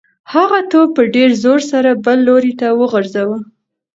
هغه توپ په ډېر زور سره بل لوري ته وغورځاوه.